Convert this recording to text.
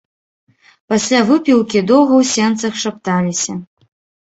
Пасля выпіўкі доўга ў сенцах шапталіся.